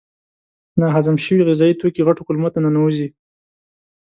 ناهضم شوي غذایي توکي غټو کولمو ته ننوزي.